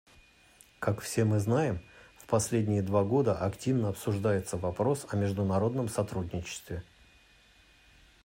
Как все мы знаем, в последние два года активно обсуждается вопрос о международном сотрудничестве.